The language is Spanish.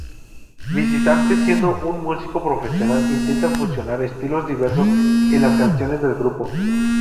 Visitante, siendo un músico profesional, intenta fusionar estilos diversos en las canciones del grupo.